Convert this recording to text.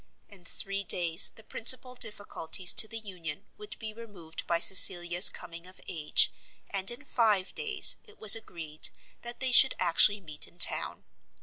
In three days the principal difficulties to the union would be removed by Cecilia's coming of age, and in five days it was agreed that they should actually meet in town.